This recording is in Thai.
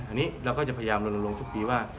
อันนี้เราก็จะพยายามลนลงทุกปีว่า